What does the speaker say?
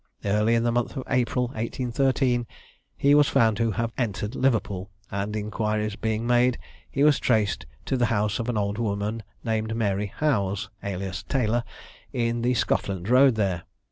Early in the month of April 1813, he was found to have entered Liverpool, and inquiries being made, he was traced to the house of an old woman named Mary Howes, alias Taylor, in the Scotland Road there.